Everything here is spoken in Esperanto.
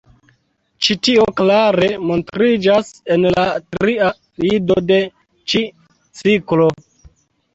Ĉi tio klare montriĝas en la tria lido de ĉi ciklo.